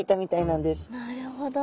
なるほど。